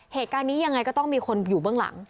เหตุการณ์นี้ยังไงก็ต้องมีคนอยู่เบื้องหลัง